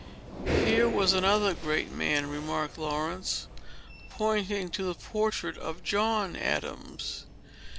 "Here was another great man," remarked Laurence, pointing to the portrait of John Adams.